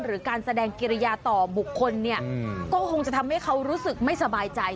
หรือการแสดงกิริยาต่อบุคคลเนี่ยก็คงจะทำให้เขารู้สึกไม่สบายใจ